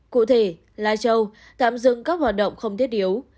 cụ thể lai châu tạm dừng các hoạt động không thiết yếu